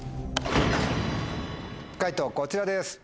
解答こちらです。